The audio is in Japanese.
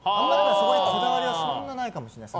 そこら辺に、こだわりはないかもしれないです。